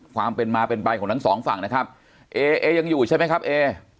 ความเป็นมาเป็นไปของทั้งสองฝั่งนะครับเอเอยังอยู่ใช่ไหมครับเอ